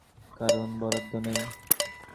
কারণ, বরাদ্দ নেই।